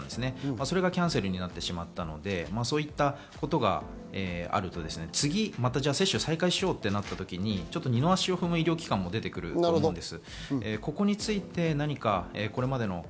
それがキャンセルになってしまったので、そういったことがあると次に接種を再開しようとなったときに、二の足を踏む医療機関も出てくると思うんです。